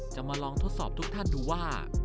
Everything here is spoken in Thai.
จะมาลองทดสอบทุกท่านดูว่า